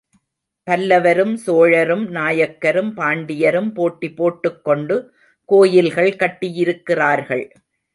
பல்லவரும் சோழரும் நாயக்கரும் பாண்டியரும் போட்டி போட்டுக் கொண்டு கோயில்கள் கட்டியிருக்கிறார்கள்.